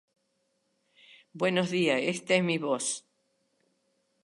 Ocupan el mínimo espacio longitudinal para una brida.